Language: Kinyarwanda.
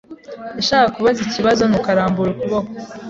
Yashakaga kubaza ikibazo, nuko arambura ukuboko.